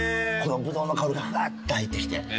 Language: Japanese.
ブドウの香りがふわっと入ってきて。